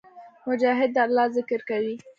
مجاهد د الله ذکر کوي.